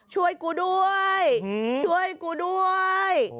ช่วยกูด้วยช่วยกูด้วย